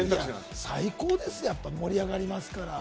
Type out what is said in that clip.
最高ですよ、盛り上がりますから。